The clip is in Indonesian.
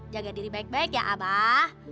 jaga diri baik baik ya abah